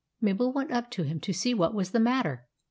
Mabel went up to him, to see what was the matter.